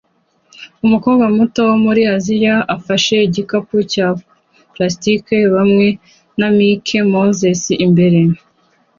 Umukobwa muto wo muri Aziya ufashe igikapu cya plastiki hamwe na Mickey Mouse imbere